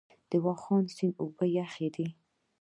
د واخان سیند اوبه یخې دي؟